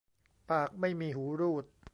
ปากไม่มีหูรูด